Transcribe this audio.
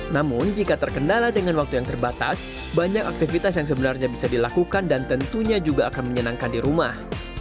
namun jika terkendala dengan waktu yang terbatas banyak aktivitas yang sebenarnya bisa dilakukan dan tentunya juga akan menyenangkan di rumah